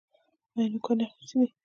ایا نوکان یې اخیستي دي؟